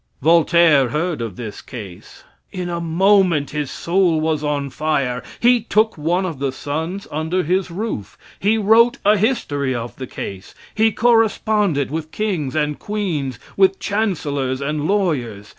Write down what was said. Voltaire heard of this case. In a moment his soul was on fire. He took one of the sons under his roof. He wrote a history of the case. He corresponded with kings and queens, with chancellors and lawyers.